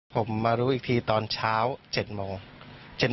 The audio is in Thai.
ผมมารู้อีกทีตอนเช้า๗โมง